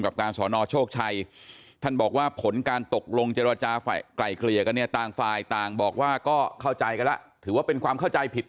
ค่ะฝ่ายเจ้าของรถที่มีกล้องหน้ารถก็เข้าใจว่าทำไมกู้ไพ